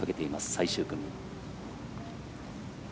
最終組。